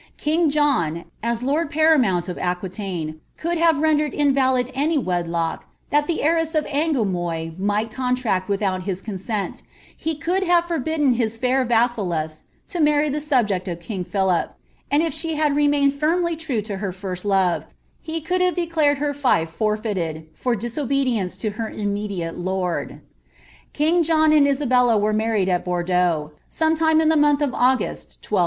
King John, as lord paramount of Aquitaine, could have ren dered invalid any wedlock that the heiress of the Angoumois might contract without his consent ; he could have forbidden his fair vassalcss to marry the subject of king Philip, and if slie ]iad remained firmly true to her first love, he could have declared her fief forfeited, for disobe dinice to her immediate lord.* Ring John and Isabella were married at Bordeaux, some time in the month of August, 1200.